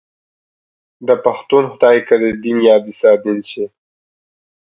داپښتون خدای که ددين يا دسادين شي